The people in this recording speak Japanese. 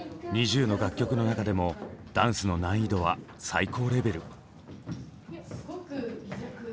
ＮｉｚｉＵの楽曲の中でもダンスの難易度は最高レベル。